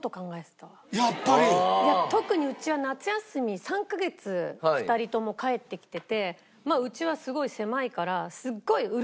特にうちは夏休み３カ月２人とも帰ってきててうちはすごい狭いからすっごいうるさくて。